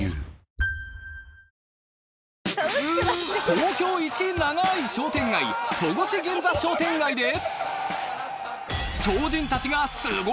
［東京イチ長い商店街戸越銀座商店街で］